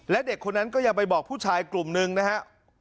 และเด็กคนนั้นก็อย่าไปบอกผู้ชายกลุ่มหนึ่งนะฮะ